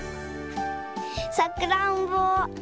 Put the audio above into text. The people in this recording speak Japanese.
さくらんぼ。